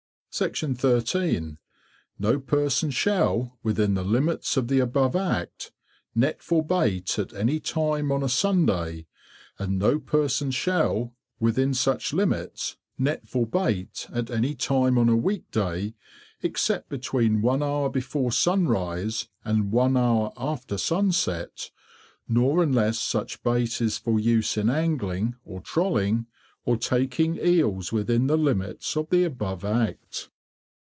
13. No person shall, within the limits of the above Act, Net for Bait at any time on a Sunday; and no person shall, within such limits, Net for Bait at any time on a week day except between one hour before sunrise and one hour after sunset, nor unless such Bait is for use in angling, or trolling, or taking Eels within the limits of the above Act.